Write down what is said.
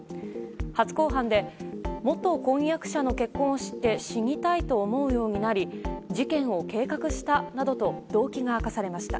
初公判で元婚約者の結婚を知って死にたいと思うようになり事件を計画したなどと動機が明かされました。